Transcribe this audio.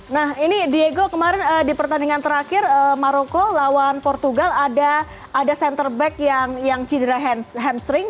nah ini diego kemarin di pertandingan terakhir maroko lawan portugal ada center back yang cedera hamstring